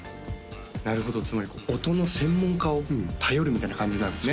なるほどつまり音の専門家を頼るみたいな感じなんですね